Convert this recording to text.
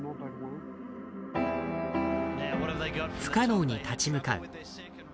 「不可能に立ち向かう」。